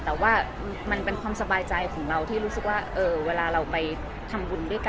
แต่ว่ามันเป็นความสบายใจของเราที่รู้สึกว่าเวลาเราไปทำบุญด้วยกัน